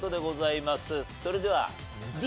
それではＤ。